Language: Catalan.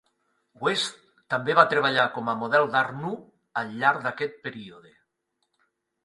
West també va treballar com a model d'art nu al llarg d'aquest període.